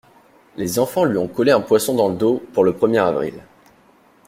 Les enfants lui ont collé un poisson dans le dos pour le premier avril.